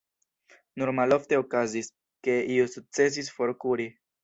Nur malofte okazis, ke iu sukcesis forkuri.